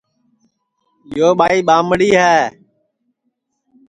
یو ٻائی ٻامڑی ہے